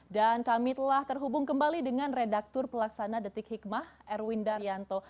dan kami telah terhubung kembali dengan redaktur pelaksana detik hikmah erwin daryanto